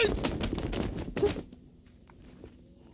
janganlah kau berguna